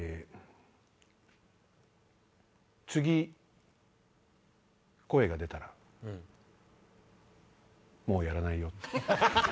「次声が出たらもうやらないよ」。